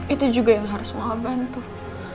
itu juga yang harus mau aban tuh